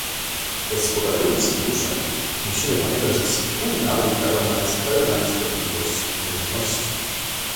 Gospodarując Funduszem musimy pamiętać, że Wspólna Polityka Rolna jest pełna niesprawiedliwości i nierówności